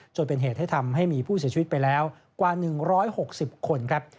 จนเป็นเหตุให้ทำให้มีผู้เสียชีวิตไปแล้วกว่า๑๖๐คนครับ